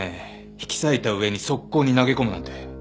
引き裂いた上に側溝に投げ込むなんて。